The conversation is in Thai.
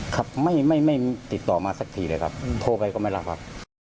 ครับไม่ติดต่อมาสักทีเลยครับโทรไปก็ไม่รับครับ